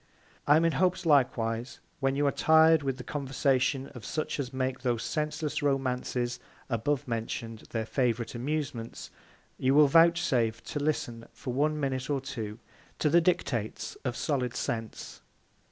I am in hopes likewise, when you are tir'd with the Conversation of such as make those senseless Romances abovemention'd their favourite Amusements, you will vouchsafe to listen for one Minute or two, to the Dictates of solid Sense.